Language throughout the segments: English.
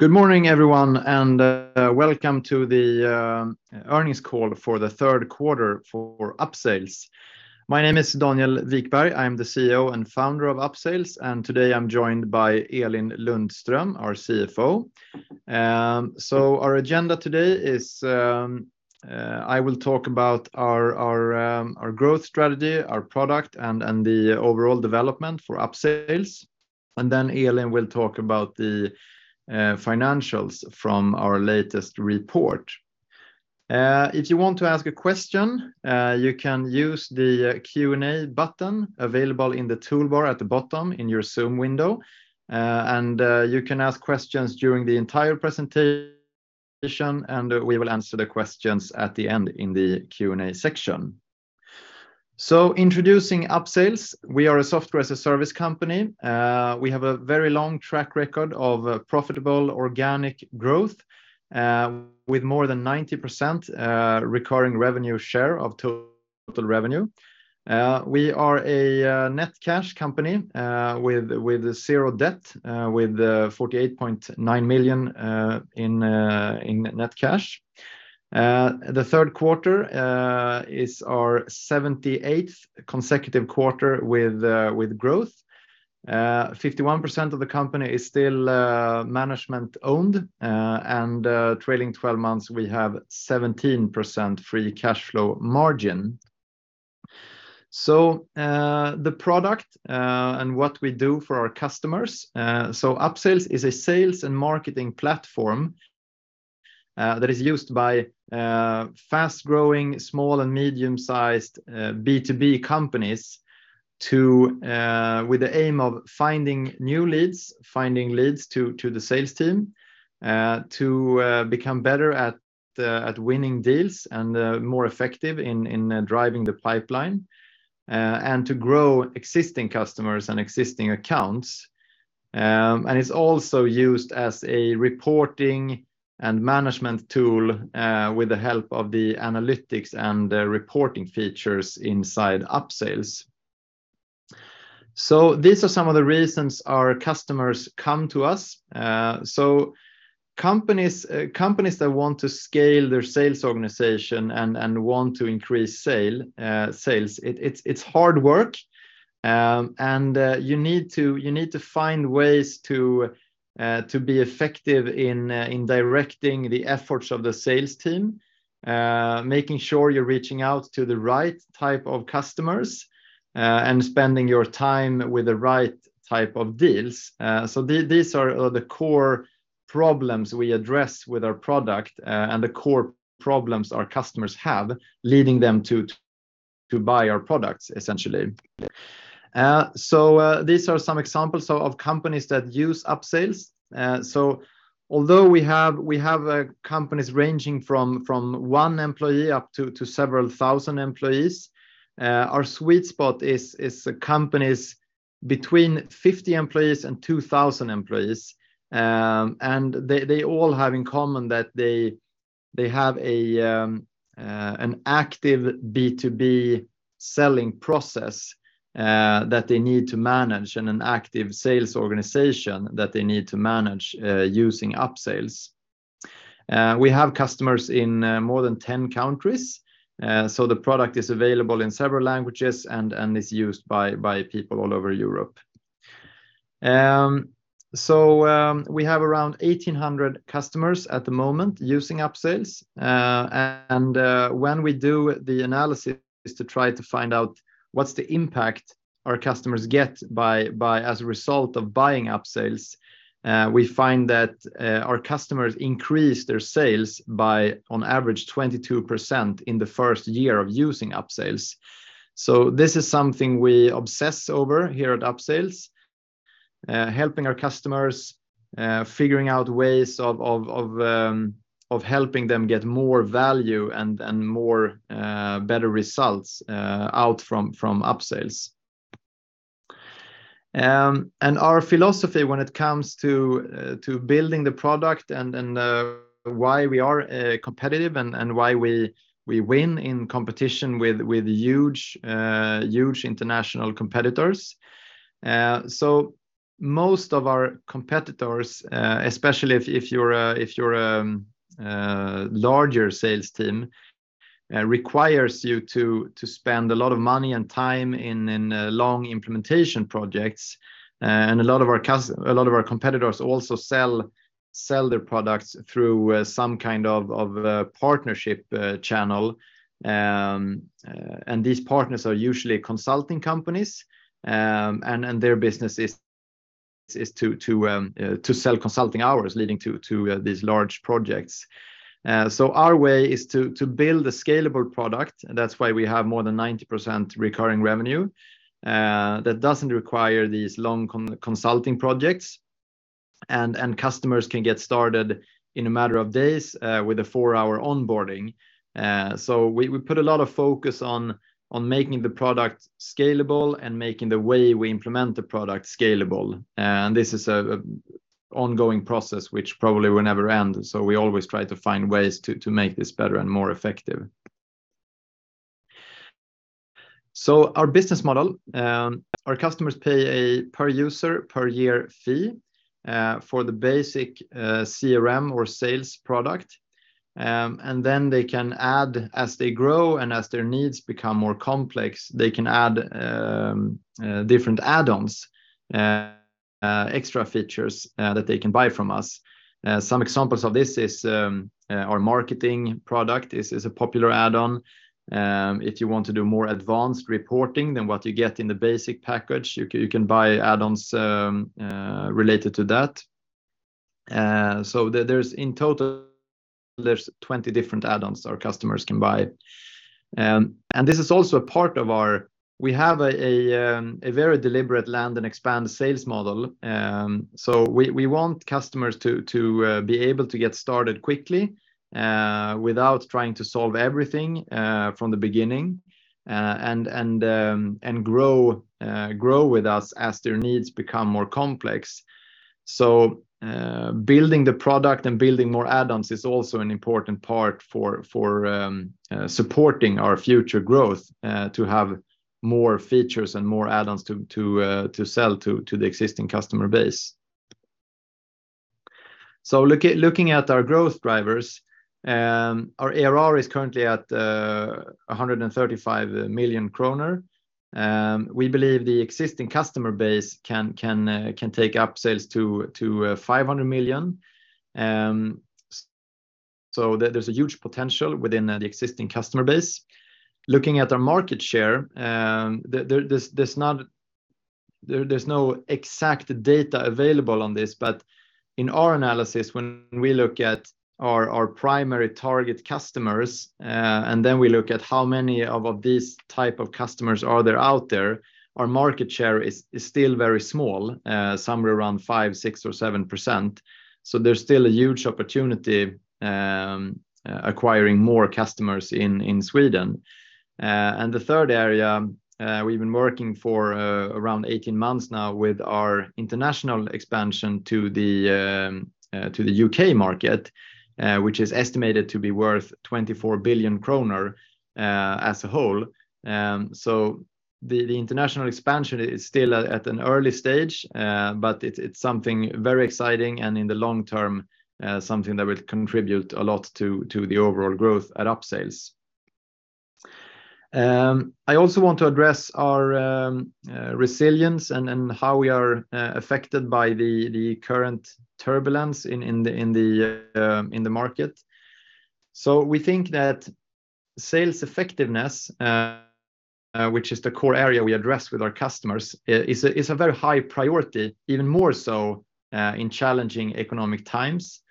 Good morning, everyone, and welcome to the earnings call for the third quarter for Upsales. My name is Daniel Wikberg. I'm the CEO and founder of Upsales, and today I'm joined by Elin Lundström, our CFO. Our agenda today is I will talk about our growth strategy, our product, and the overall development for Upsales. Then Elin will talk about the financials from our latest report. If you want to ask a question, you can use the Q&A button available in the toolbar at the bottom in your Zoom window. You can ask questions during the entire presentation, and we will answer the questions at the end in the Q&A section. Introducing Upsales, we are a software as a service company. We have a very long track record of profitable organic growth with more than 90% recurring revenue share of total revenue. We are a net cash company with zero debt with 48.9 million in net cash. The third quarter is our 78th consecutive quarter with growth. 51% of the company is still management owned. Trailing twelve months, we have 17% free cash flow margin. The product and what we do for our customers, Upsales is a sales and marketing platform that is used by fast-growing small and medium-sized B2B companies to... with the aim of finding new leads to the sales team to become better at winning deals and more effective in driving the pipeline and to grow existing customers and existing accounts. It's also used as a reporting and management tool with the help of the analytics and the reporting features inside Upsales. These are some of the reasons our customers come to us. Companies that want to scale their sales organization and want to increase sales, it's hard work. You need to find ways to be effective in directing the efforts of the sales team, making sure you're reaching out to the right type of customers, and spending your time with the right type of deals. These are the core problems we address with our product, and the core problems our customers have, leading them to buy our products, essentially. These are some examples of companies that use Upsales. Although we have companies ranging from one employee up to several thousand employees, our sweet spot is companies between 50 employees and 2,000 employees. They all have in common that they have an active B2B selling process that they need to manage and an active sales organization that they need to manage using Upsales. We have customers in more than 10 countries. The product is available in several languages and is used by people all over Europe. We have around 1,800 customers at the moment using Upsales. When we do the analysis to try to find out what's the impact our customers get by as a result of buying Upsales, we find that our customers increase their sales by on average 22% in the first year of using Upsales. This is something we obsess over here at Upsales, helping our customers figuring out ways of helping them get more value and more better results out from Upsales. Our philosophy when it comes to building the product and why we are competitive and why we win in competition with huge international competitors. Most of our competitors, especially if you're a larger sales team, requires you to spend a lot of money and time in long implementation projects. A lot of our competitors also sell their products through some kind of partnership channel. These partners are usually consulting companies, and their business is to sell consulting hours leading to these large projects. Our way is to build a scalable product. That's why we have more than 90% recurring revenue that doesn't require these long consulting projects. Customers can get started in a matter of days with a four-hour onboarding. We put a lot of focus on making the product scalable and making the way we implement the product scalable. This is an ongoing process which probably will never end. We always try to find ways to make this better and more effective. Our business model, our customers pay a per user per year fee for the basic CRM or sales product. They can add as they grow and as their needs become more complex, they can add different add-ons, extra features that they can buy from us. Some examples of this is our marketing product is a popular add-on. If you want to do more advanced reporting than what you get in the basic package, you can buy add-ons related to that. There's in total 20 different add-ons our customers can buy. This is also a part of our... We have a very deliberate land and expand sales model. We want customers to be able to get started quickly without trying to solve everything from the beginning and grow with us as their needs become more complex. Building the product and building more add-ons is also an important part for supporting our future growth to have more features and more add-ons to sell to the existing customer base. Looking at our growth drivers, our ARR is currently at 135 million kronor. We believe the existing customer base can take up sales to 500 million. There's a huge potential within the existing customer base. Looking at our market share, there's no exact data available on this. In our analysis, when we look at our primary target customers, and then we look at how many of these type of customers are there out there, our market share is still very small, somewhere around 5% ,6% or 7%. There's still a huge opportunity acquiring more customers in Sweden. The third area, we've been working for around 18 months now with our international expansion to the U.K. market, which is estimated to be worth 24 billion kronor as a whole. The international expansion is still at an early stage. It's something very exciting and in the long term, something that will contribute a lot to the overall growth at Upsales. I also want to address our resilience and how we are affected by the current turbulence in the market. We think that sales effectiveness, which is the core area we address with our customers, is a very high priority, even more so in challenging economic times.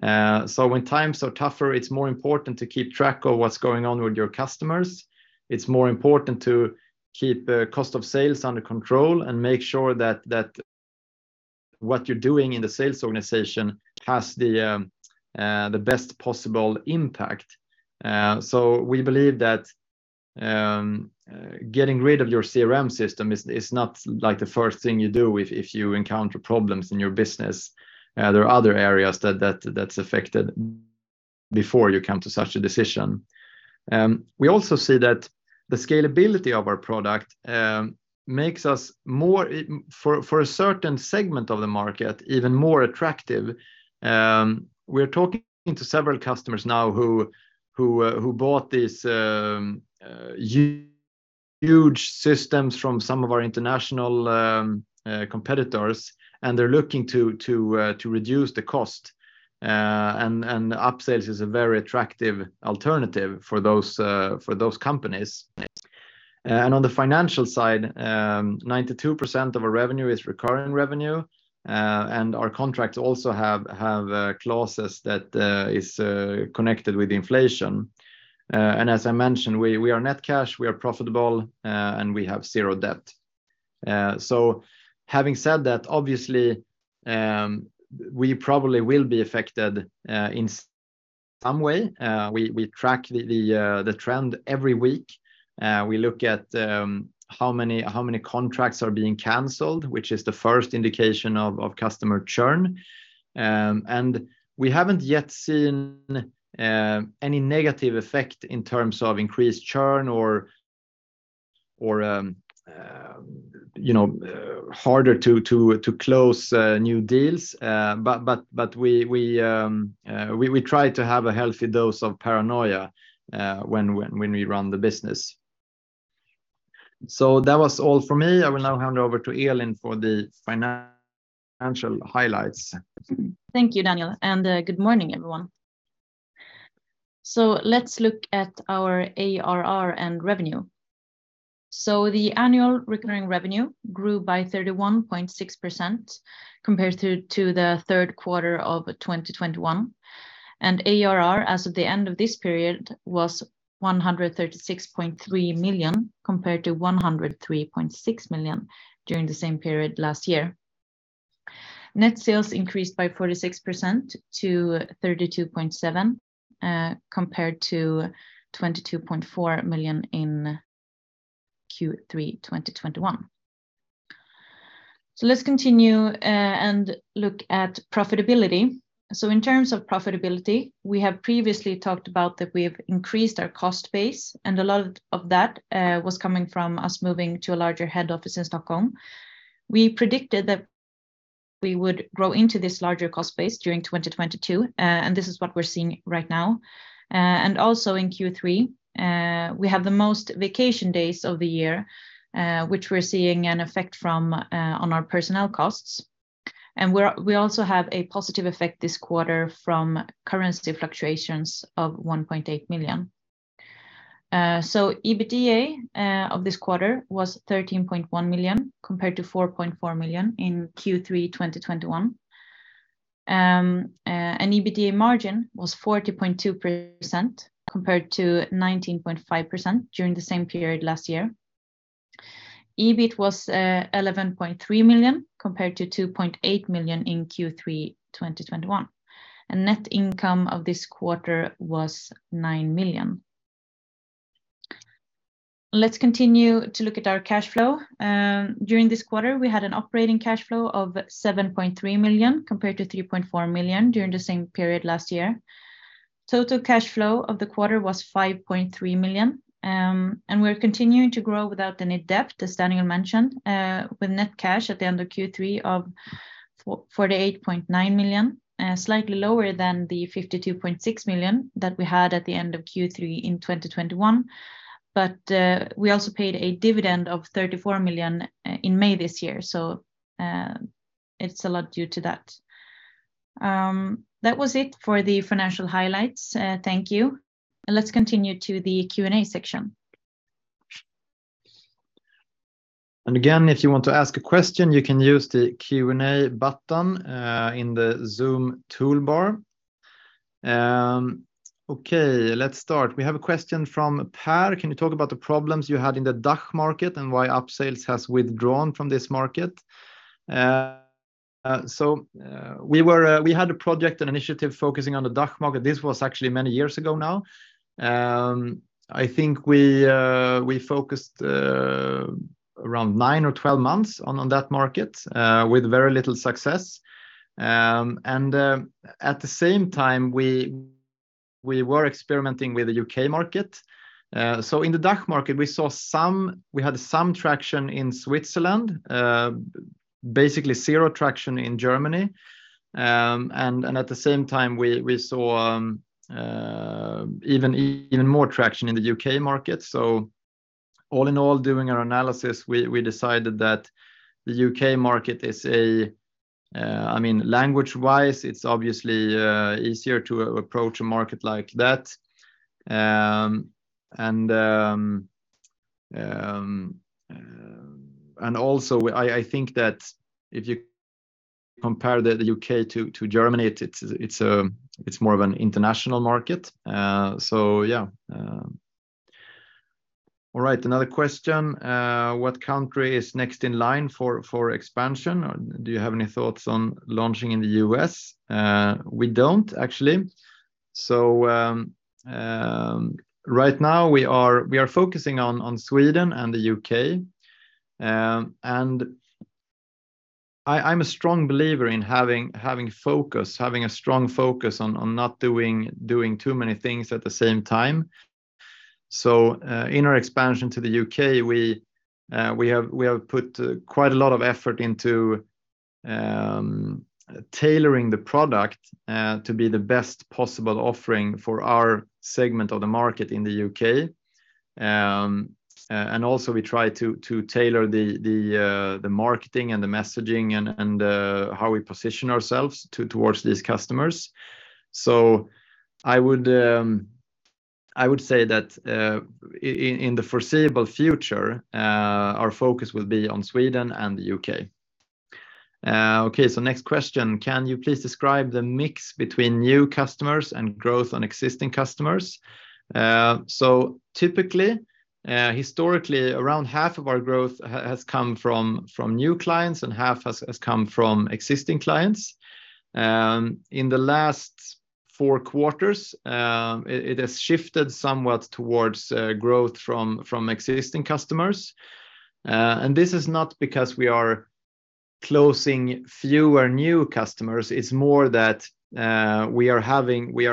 When times are tougher, it's more important to keep track of what's going on with your customers. It's more important to keep the cost of sales under control and make sure that what you're doing in the sales organization has the best possible impact. We believe that getting rid of your CRM system is not like the first thing you do if you encounter problems in your business. There are other areas that are affected before you come to such a decision. We also see that the scalability of our product makes us even more attractive for a certain segment of the market. We're talking to several customers now who bought these huge systems from some of our international competitors, and they're looking to reduce the cost. Upsales is a very attractive alternative for those companies. On the financial side, 92% of our revenue is recurring revenue. Our contracts also have clauses that is connected with inflation. As I mentioned, we are net cash, we are profitable, and we have zero debt. Having said that, obviously, we probably will be affected in some way. We track the trend every week. We look at how many contracts are being canceled, which is the first indication of customer churn. We haven't yet seen any negative effect in terms of increased churn or you know harder to close new deals. But we try to have a healthy dose of paranoia when we run the business. That was all for me. I will now hand over to Elin for the financial highlights. Thank you, Daniel, and good morning, everyone. Let's look at our ARR and revenue. The annual recurring revenue grew by 31.6% compared to the third quarter of 2021. ARR as of the end of this period was 136.3 million, compared to 103.6 million during the same period last year. Net sales increased by 46% to 32.7 million compared to 22.4 million in Q3 2021. Let's continue and look at profitability. In terms of profitability, we have previously talked about that we have increased our cost base, and a lot of that was coming from us moving to a larger head office in Stockholm. We predicted that we would grow into this larger cost base during 2022, and this is what we're seeing right now. In Q3, we have the most vacation days of the year, which we're seeing an effect from on our personnel costs. We also have a positive effect this quarter from currency fluctuations of 1.8 million. EBITDA of this quarter was 13.1 million compared to 4.4 million in Q3 2021. EBITDA margin was 40.2% compared to 19.5% during the same period last year. EBIT was 11.3 million compared to 2.8 million in Q3 2021. Net income of this quarter was 9 million. Let's continue to look at our cash flow. During this quarter, we had an operating cash flow of 7.3 million compared to 3.4 million during the same period last year. Total cash flow of the quarter was 5.3 million. We're continuing to grow without any debt, as Daniel mentioned, with net cash at the end of Q3 of 48.9 million, slightly lower than the 52.6 million that we had at the end of Q3 in 2021. We also paid a dividend of 34 million in May this year. It's a lot due to that. That was it for the financial highlights. Thank you. Let's continue to the Q&A section. Again, if you want to ask a question, you can use the Q&A button in the Zoom toolbar. Okay, let's start. We have a question from Per: Can you talk about the problems you had in the DACH market and why Upsales has withdrawn from this market? We had a project and initiative focusing on the DACH market. This was actually many years ago now. I think we focused around nine or 12 months on that market with very little success. At the same time, we were experimenting with the U.K market. In the DACH market, we had some traction in Switzerland, basically zero traction in Germany. At the same time, we saw even more traction in the U.K. market. All in all, doing our analysis, we decided that the U.K. market is, I mean, language-wise, it's obviously easier to approach a market like that. And also I think that if you compare the U.K. to Germany, it's more of an international market. Yeah. All right, another question. What country is next in line for expansion? Do you have any thoughts on launching in the U.S.? We don't, actually. Right now we are focusing on Sweden and the U.K. I'm a strong believer in having a strong focus on not doing too many things at the same time. In our expansion to the U.K., we have put quite a lot of effort into tailoring the product to be the best possible offering for our segment of the market in the U.K. We also try to tailor the marketing and the messaging and how we position ourselves towards these customers. I would say that in the foreseeable future, our focus will be on Sweden and the U.K. Next question. Can you please describe the mix between new customers and growth on existing customers? Typically, historically, around half of our growth has come from new clients, and half has come from existing clients. In the last four quarters, it has shifted somewhat towards growth from existing customers. This is not because we are closing fewer new customers. It's more that we are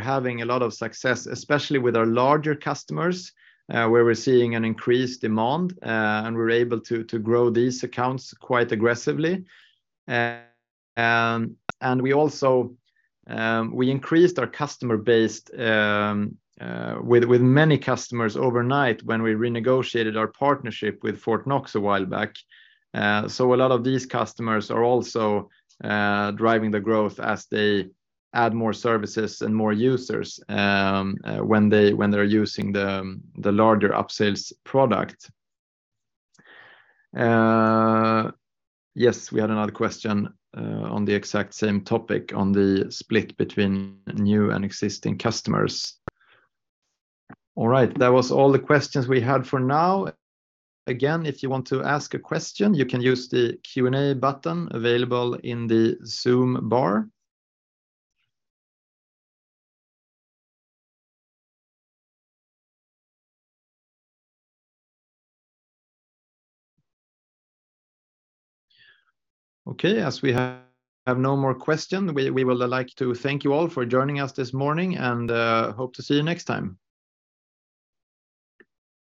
having a lot of success, especially with our larger customers, where we're seeing an increased demand, and we're able to grow these accounts quite aggressively. We also increased our customer base with many customers overnight when we renegotiated our partnership with Fortnox a while back. A lot of these customers are also driving the growth as they add more services and more users when they're using the larger Upsales product. Yes, we had another question on the exact same topic on the split between new and existing customers. All right, that was all the questions we had for now. Again, if you want to ask a question, you can use the Q&A button available in the Zoom bar. Okay, as we have no more question, we would like to thank you all for joining us this morning, and hope to see you next time.